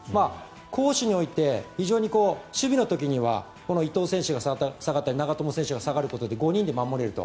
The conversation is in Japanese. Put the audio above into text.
攻守において非常に守備の時にはこの伊東選手が下がったり長友選手が下がることで５人で守れると。